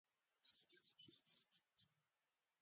فیوډالېزم د لوېدیځې اروپا ډېرو برخو ته وغځېد.